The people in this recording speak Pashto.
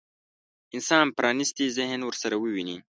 انسان پرانيستي ذهن ورسره وويني.